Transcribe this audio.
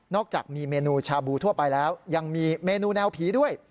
จากมีเมนูชาบูทั่วไปแล้วยังมีเมนูแนวผีด้วย